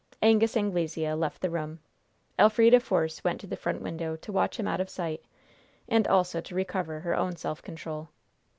Angus Anglesea left the room. Elfrida Force went to the front window to watch him out of sight, and also to recover her own self control.